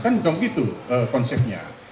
kan bukan begitu konsepnya